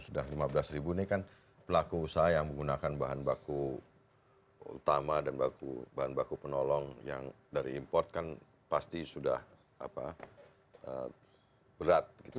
sudah lima belas ribu ini kan pelaku usaha yang menggunakan bahan baku utama dan bahan baku penolong yang dari import kan pasti sudah berat gitu